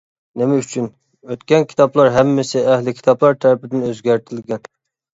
نېمە ئۈچۈن؟ ئۆتكەن كىتابلار ھەممىسى ئەھلى كىتابلار تەرىپىدىن ئۆزگەرتىلگەن.